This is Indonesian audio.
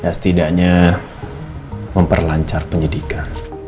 ya setidaknya memperlancar penyidikan